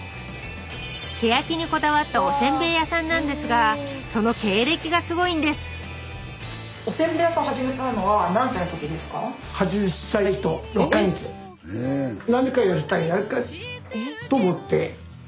手焼きにこだわったおせんべい屋さんなんですがその経歴がすごいんですえっ